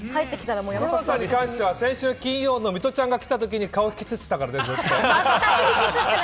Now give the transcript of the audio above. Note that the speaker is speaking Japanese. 黒田さんに関しては先週金曜、水卜ちゃんが来たときに顔が引きつってたからね。